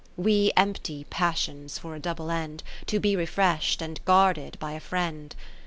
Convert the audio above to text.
We empty passions for a double end, To be refresh'd and guarded by a friend.